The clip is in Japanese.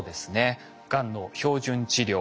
がんの標準治療